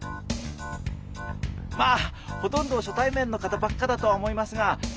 まあほとんど初対面の方ばっかだとは思いますが。